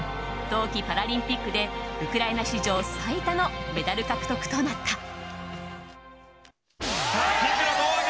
冬季パラリンピックでウクライナ史上最多のメダル獲得となった。